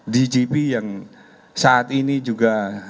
dgp yang saat ini juga